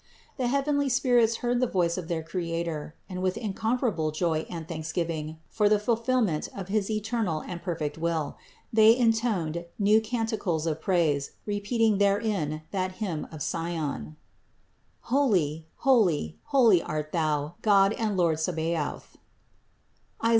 The heavenly spirits heard the voice of their Crea tor, and with incomparable joy and thanksgiving for the fulfillment of his eternal and perfect will, they intoned new canticles of praise, repeating therein that hymn of Sion : "Holy, holy, holy art thou, God and Lord Sabaoth (Is.